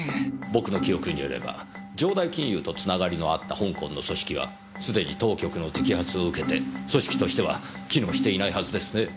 僕の記憶によれば城代金融とつながりのあった香港の組織はすでに当局の摘発を受けて組織としては機能していないはずですねぇ。